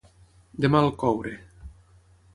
De mal coure.